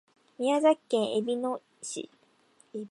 宮崎県えびの市